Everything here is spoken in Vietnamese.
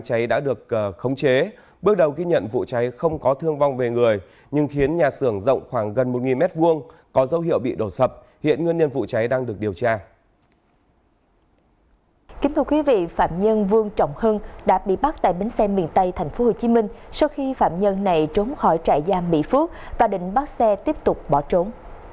này trốn khỏi trại giam mỹ phước và định bắt xe tiếp tục bỏ trốn